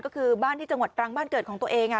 ก็คือบ้านที่จังหวัดตรังบ้านเกิดของตัวเอง